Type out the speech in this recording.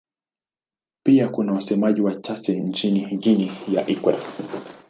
Pia kuna wasemaji wachache nchini Guinea ya Ikweta.